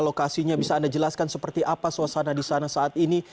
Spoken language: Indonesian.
lokasinya bisa anda jelaskan seperti apa suasana di sana saat ini